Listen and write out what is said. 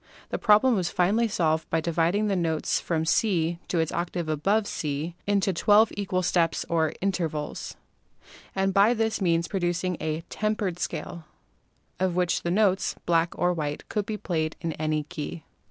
The problem was finally solved by dividing the notes from C to its octave above (C) into twelve equal steps or intervals, and by this means pro ducing a "tempered" scale of which the notes, black or white, could be played in any key.